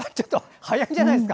早いんじゃないですか？